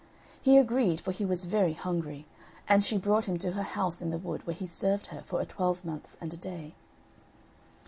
He agreed, for he was very hungry, and she brought him to her house in the wood, where he served her for a twelvemonths and a day.